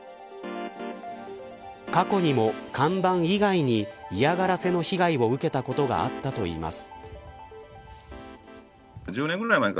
過去にも、看板以外に嫌がらせの被害を受けたことがあったといいます。